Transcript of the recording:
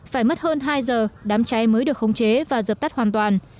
phải mất hơn hai giờ đám cháy mới được khống chế và dập tắt hoàn toàn